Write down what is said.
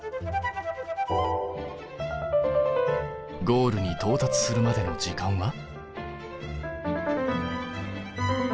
ゴールに到達するまでの時間は？